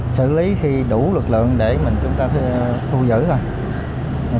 xử lý khi đủ lực lượng để mà chúng ta thu giữ thôi